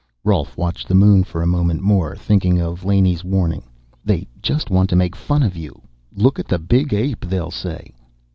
Rolf watched the moon for a moment more, thinking of Laney's warning. _They just want to make fun of you. Look at the big ape, they'll say.